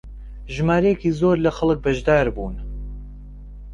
ژمارەیەکی زۆر لە خەڵک بەشدار بوون